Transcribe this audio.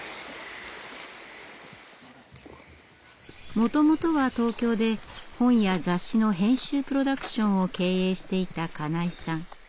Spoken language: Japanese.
もともとは東京で本や雑誌の編集プロダクションを経営していた金井さん。